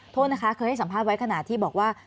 โทษนะคะเคยให้สัมภาษณ์ไว้ขณะที่บอกว่า